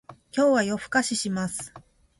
今日は夜更かしします